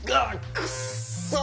くっそォ。